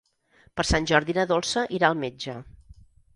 Per Sant Jordi na Dolça irà al metge.